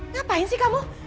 ngapain sih kamu